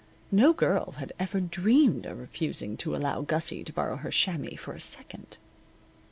No girl had ever dreamed of refusing to allow Gussie to borrow her chamois for a second.